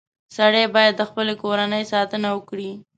• سړی باید د خپلې کورنۍ ساتنه وکړي.